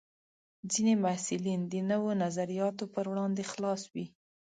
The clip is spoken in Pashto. ځینې محصلین د نوو نظریاتو پر وړاندې خلاص وي.